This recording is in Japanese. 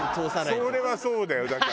それはそうだよだから。